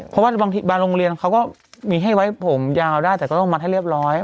เพราะว่าบางทีบางโรงเรียนเขาก็มีให้ไว้ผมยาวได้แต่ก็ต้องมัดให้เรียบร้อย